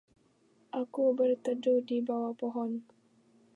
aku berteduh di bawah pohon